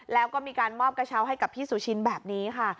แล้วก็มีการมอบกระเช้าให้กับพี่สุชินแบบนี้ค่ะ